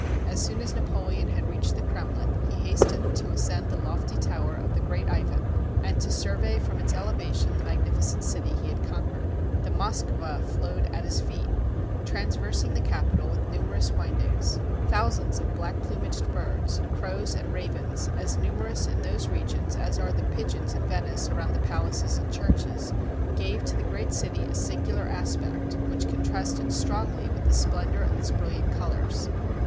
As soon as Napoleon had reached the Krem lin, he hastened to ascend the lofty tower of the great Ivan, and to survey from its elevation the magnificent city he had conquered. The Moskva flowed at his feet, traversing the capital with numerous windings. Thousands of black plumaged birds, crows and ravens, as numerous in those regions as are the pigeons in Ven ice around the palaces and churches, gave to the great city a singular aspect which contrasted strongly with the splendor of its brilliant colors.